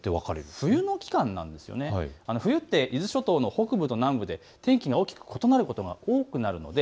冬というのは伊豆諸島の北部と南部で天気が大きく異なることが多くなるんです。